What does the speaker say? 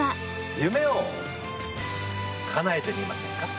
夢をかなえてみませんか？